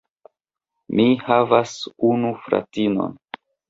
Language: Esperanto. Mi havas unu fratinon.